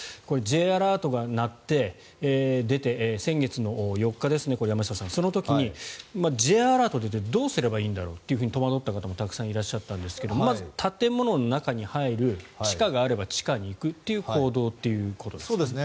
Ｊアラートが出て先月の４日、その時にＪアラートが出たらどうすればいいんだろうって戸惑った方もたくさんいらっしゃったんですがまず、建物の中に入る地下があれば地下に行くという行動ということでしょうか。